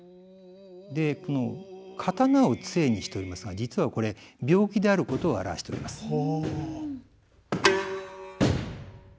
この刀を杖にしておりますが実はこれ病気であることを表しております。